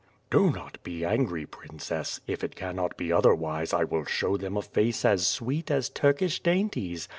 "Do not be angry, princess; if it cannot be otherwise, I will show them a face as sweet as Turkish dainties.